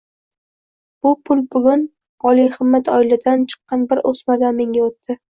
Bu pul bugun oliyhimmat oiladan chiqqan bir o`smirdan menga o`tdi